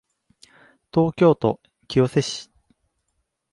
東京都清瀬市